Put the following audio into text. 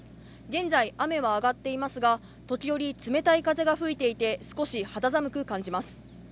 現在、雨はあがっていますが、時折、冷たい風が吹いていて少し肌寒く感じます。